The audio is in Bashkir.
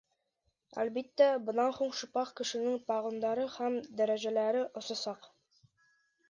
Әлбиттә, бынан һуң шипах кешенең погондары һәм дәрәжәләре осасаҡ